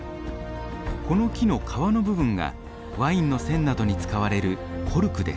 この木の皮の部分がワインの栓などに使われるコルクです。